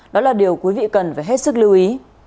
đó là điều quý vị cần phải hết sức lưu ý